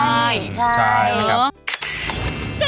ใช่ใช่